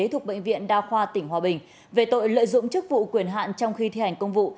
thuộc bệnh viện đa khoa tỉnh hòa bình về tội lợi dụng chức vụ quyền hạn trong khi thi hành công vụ